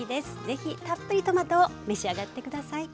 是非たっぷりトマトを召し上がって下さい。